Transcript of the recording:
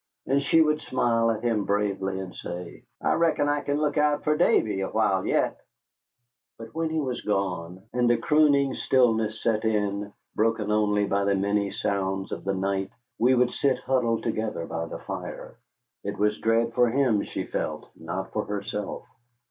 And she would smile at him bravely and say, "I reckon I kin look out for Davy awhile yet." But when he was gone, and the crooning stillness set in, broken only by the many sounds of the night, we would sit huddled together by the fire. It was dread for him she felt, not for herself.